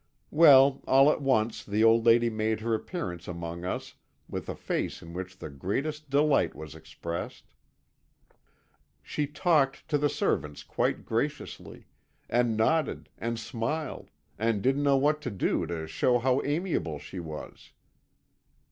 "Well, all at once the old lady made her appearance among us with a face in which the greatest delight was expressed. She talked to the servants quite graciously, and nodded and smiled, and didn't know what to do to show how amiable she was.